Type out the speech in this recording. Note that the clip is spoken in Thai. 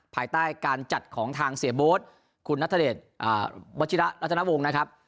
ภายใต้การจัดของทางเสียโบ๊ทคุณนัทเดชวัชิระรัตนวงศ์นะครับ